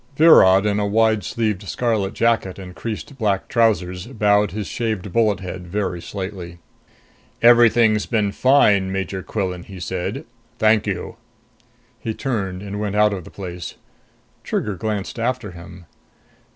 Virod, in a wide sleeved scarlet jacket and creased black trousers, bowed his shaved bullet head very slightly. "Everything's been fine, Major Quillan," he said. "Thank you." He turned and went out of the place. Trigger glanced after him.